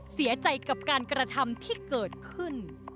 เสียใจกับการกระทำที่เกิดขึ้น